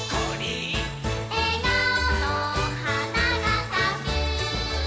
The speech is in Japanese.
「えがおのはながさく」